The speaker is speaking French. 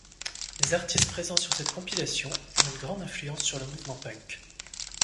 Les artistes présents sur cette compilation eurent une grande influence sur le mouvement punk.